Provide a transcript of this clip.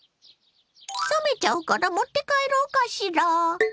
冷めちゃうから持って帰ろうかしら！